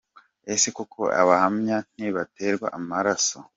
Ese koko abahamya ntibaterwa amaraso ?.